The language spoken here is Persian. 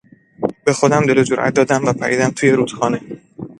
به خودم دل و جرات دادم و پریدم توی رودخانه.